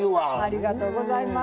ありがとうございます。